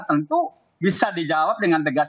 tentu bisa dijawab dengan tegas